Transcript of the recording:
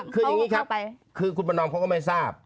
คืออย่างนี้ครับคือคุณประนอมเขาก็ไม่ทราบ